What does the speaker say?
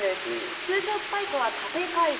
通常スパイクは縦回転。